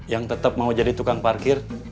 yang tetap mau jadi tukang parkir